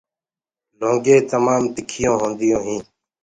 لونٚگ تمآم ڪڙوآ هوندآ هينٚ